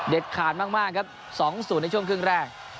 ขาดมากครับ๒๐ในช่วงครึ่งแรก